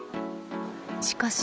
しかし、